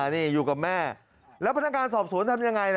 นี่อยู่กับแม่แล้วพนักงานสอบสวนทำยังไงล่ะ